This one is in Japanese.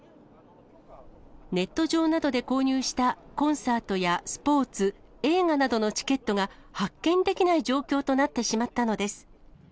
ネット上などで購入したコンサートやスポーツ、映画などのチケットが、発券できない状況となってしまったのです。